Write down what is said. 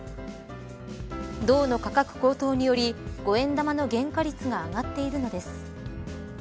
銅の価格高騰により５円玉の原価率が上がっているのです。